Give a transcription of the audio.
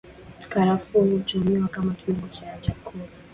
Karafuu hutumiwa kama kiungo cha chakula